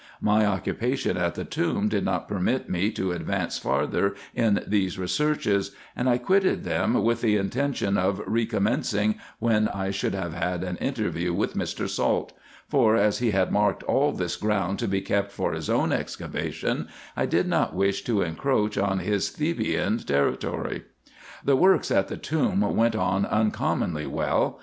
My occupation at the tomb did not permit me to advance farther in these researches, and I quitted them with the intention of re 294 RESEARCHES AND OPERATIONS commencing, when I should have had an interview with Mr. Salt ; for, as he had marked all this ground to be kept for his own excavation, I did not wish to encroach on his Thebean territory. The works at the tomb went on uncommonly well.